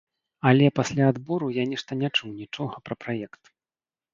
Але пасля адбору я нешта не чуў нічога пра праект.